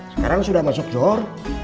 sekarang sudah masuk zohor